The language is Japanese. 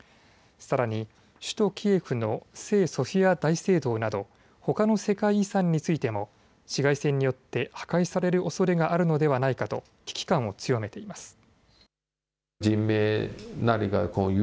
さらに、首都キエフの聖ソフィア大聖堂などほかの世界遺産についても市街戦によって破壊されるおそれがあるのではないかと危機感を強めています。